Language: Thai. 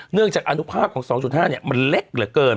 เนื่องจากอนุภาพของ๒๕มันเล็กเหลือเกิน